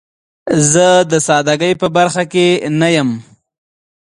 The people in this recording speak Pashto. زه د سادګۍ په برخه کې نه یم.